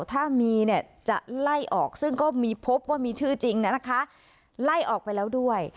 ถ้ามีเนี่ยจะไล่ออกซึ่งก็มีพบว่ามีชื่อจริงนะคะไล่ออกไปแล้วด้วย